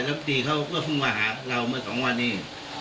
รับตีเขาก็เพิ่งมาหาเราเมื่อสองวันนี้